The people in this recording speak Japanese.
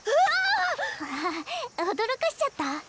アハハ驚かしちゃった？